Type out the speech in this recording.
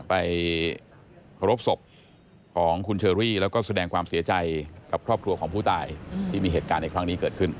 ไปเคารพศพของคุณเชอรี่แล้วก็แสดงความเสียใจกับครอบครัวของผู้ตายที่มีเหตุการณ์ในครั้งนี้เกิดขึ้น